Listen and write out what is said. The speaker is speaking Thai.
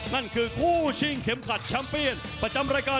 นั่นคือคู่ชิงเข็มขัดแชมป์เปียนประจำรายการ